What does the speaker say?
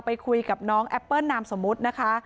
ไปคุยกับน้องแอปเปิ้ลนามสมมุตินะคะ